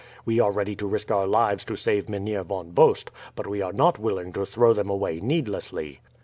We are ready to risk our lives to save Mynheer Von Bost, but we are not willing to throw them away needlessly."